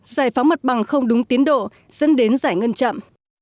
giải phóng mặt bằng không đúng tiến độ dẫn đến giải ngân chậm